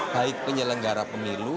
baik penyelenggara pemilu